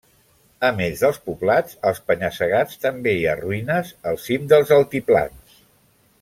A més dels poblats als penya-segats, també hi ha ruïnes al cim dels altiplans.